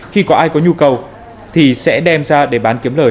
khi có ai có nhu cầu thì sẽ đem ra để bán kiếm lời